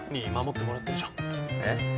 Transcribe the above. えっ？